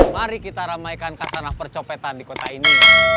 mari kita ramaikan kacana percopetan di kota ini